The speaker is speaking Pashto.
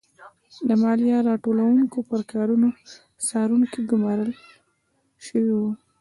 د مالیه راټولوونکو پر کارونو څارونکي ګورمال شوي وو.